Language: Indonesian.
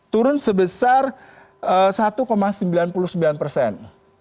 turun sebesar satu sembilan puluh sembilan persen